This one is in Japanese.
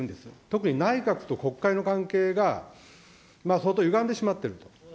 特に、内閣と国会の関係が、相当歪んでしまっていると。